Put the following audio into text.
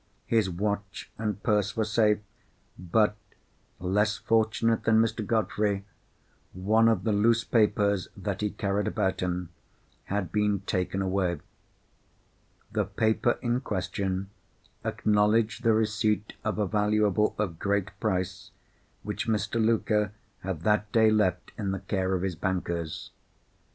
His watch and purse were safe, but (less fortunate than Mr. Godfrey) one of the loose papers that he carried about him had been taken away. The paper in question acknowledged the receipt of a valuable of great price which Mr. Luker had that day left in the care of his bankers.